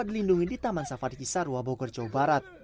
dilindungi di taman safari kisar wabogor jawa barat